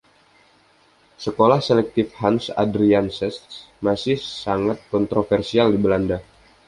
Sekolah selektif Hans Adriaansens masih sangat kontroversial di Belanda.